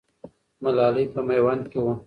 ملالۍ په میوند کې وه.